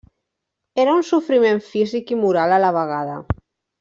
Era un sofriment físic i moral a la vegada.